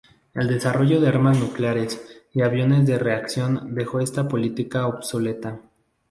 El desarrollo de armas nucleares y aviones de reacción dejó esta política obsoleta.